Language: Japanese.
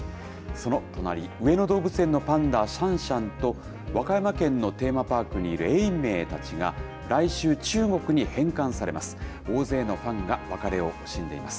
その隣、上野動物園のパンダ、シャンシャンと、和歌山県のテーマパークにいる永明たちが、来週、中国に返還されます。